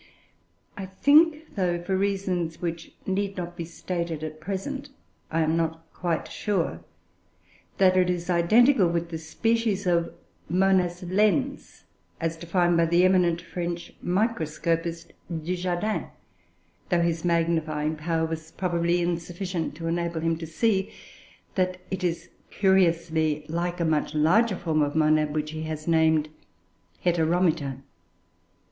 I think (though, for reasons which need not be stated at present, I am not quite sure) that it is identical with the species Monas lens as defined by the eminent French microscopist Dujardin, though his magnifying power was probably insufficient to enable him to see that it is curiously like a much larger form of monad which he has named Heteromita.